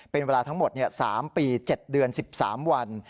เป็นเวลาทั้งหมด๓ปี๗เดือน๑๓วัน